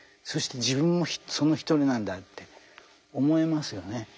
そして自分もその一人なんだって思えますよね。